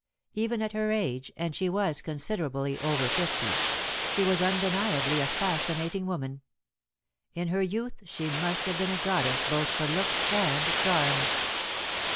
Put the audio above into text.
Even at her age and she was considerably over fifty she was undeniably a fascinating woman: in her youth she must have been a goddess both for looks and charm.